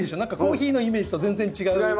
何かコーヒーのイメージと全然違う。